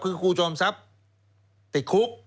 คือครูจอมทรัพย์ติดคุก